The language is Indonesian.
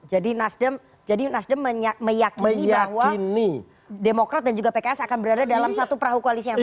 jadi nasdem meyakini bahwa demokrat dan juga pks akan berada dalam satu perahu koalisi yang sama